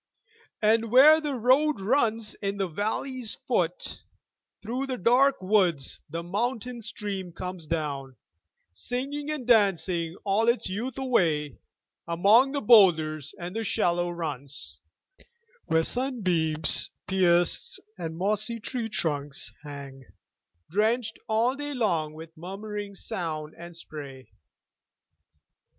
And where the road runs in the valley's foot, Through the dark woods the mountain stream comes down, Singing and dancing all its youth away Among the boulders and the shallow runs, Where sunbeams pierce and mossy tree trunks hang, Drenched all day long with murmuring sound and spray.